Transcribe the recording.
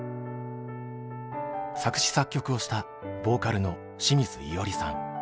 作詞作曲をしたボーカルの清水依与吏さん。